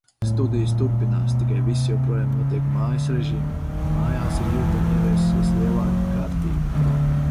Studijas turpinās, tikai viss joprojām notiek mājas režīmā. Mājās ir jūtami ieviesusies lielāka kārtība.